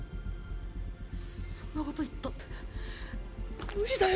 そんなこと言ったって無理だよ